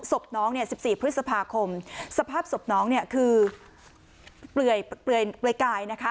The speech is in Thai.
ศพน้อง๑๔พฤษภาคมสภาพศพน้องคือเปลื่อยกาย